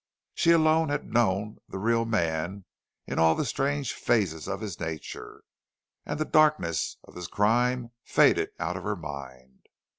She alone had known the real man in all the strange phases of his nature, and the darkness of his crime faded out of her mind.